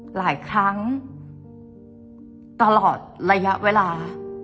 หลายครั้งตลอดระยะเวลา